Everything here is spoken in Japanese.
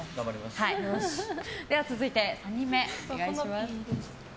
続いて、３人目お願いします。